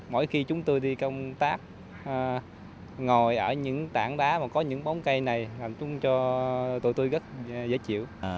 mỗi khi chúng tôi đi công tác ngồi ở những tảng đá mà có những bóng cây này làm chung cho tụi tôi rất dễ chịu